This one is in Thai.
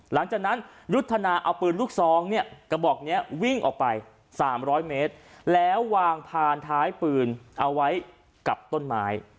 หลังจากนั้นยุทธนาเอาปืนลูกซองเนี่ยกระบอกนี้วิ่งออกไป๓๐๐เมตรแล้ววางพานท้ายปืนเอาไว้กับต้นไม้